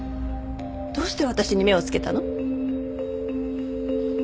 どうして私に目をつけたの？